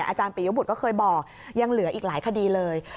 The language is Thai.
อาจารย์ปียบุตรก็เคยบอกยังเหลืออีกหลายคดีเลย